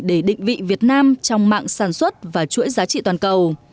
để định vị việt nam trong mạng sản xuất và chuỗi giá trị toàn cầu